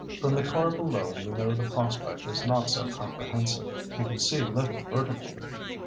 From the car below you know the prospect is not so comprehensive—you can see little vertically.